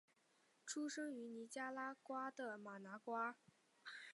出生于尼加拉瓜的马拿瓜。